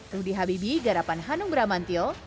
rudy habibi garapan hanung bramantio